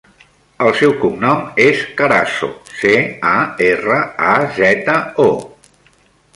El seu cognom és Carazo: ce, a, erra, a, zeta, o.